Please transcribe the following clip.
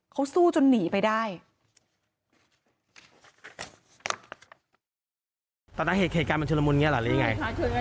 เค้ายกของนี่นู้นนั่นนั่นก็ไม่ทันระวังตัวกันนะครับ